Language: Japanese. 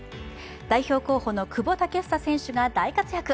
代表候補の久保建英選手が大活躍。